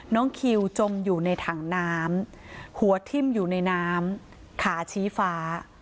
น้องคิวจมอยู่ในถังน้ำหัวทิ้มอยู่ในน้ำขาชี้ฟ้า